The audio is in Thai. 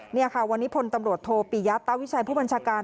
เนี่ยค่ะวันนี้ค่ะวันนี้ผลตำรวจโทรปียะเต้าวิชัยผู้บัญชาการ